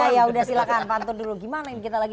ya udah silahkan pantun dulu gimana ini kita lagi